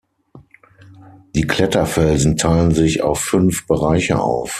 Die Kletterfelsen teilen sich auf fünf Bereiche auf.